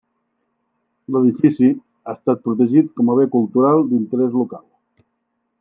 L'edifici ha estat protegit com a bé cultural d'interès local.